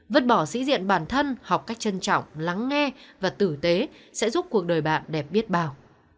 vứt bỏ sĩ diện bản thân học cách trân trọng lắng nghe và tử tế sẽ giúp cuộc đời bạn đẹp biết bào